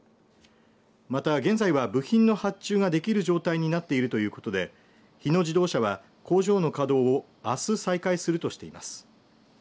また、現在は部品の発注ができる状態になっているということで日野自動車は工場の稼働をあす再開するとしています。